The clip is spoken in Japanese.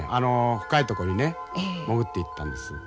深いとこにね潜っていったんです。